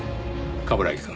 冠城くん